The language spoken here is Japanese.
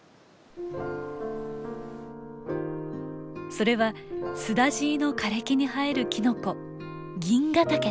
それはスダジイの枯れ木に生えるキノコギンガタケです。